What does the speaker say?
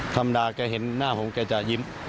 ธรรมดาแกเห็นหน้าผมแกจะยิ้ม